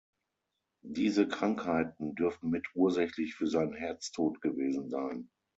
Diese Krankheiten dürften mitursächlich für seinen Herztod gewesen sein.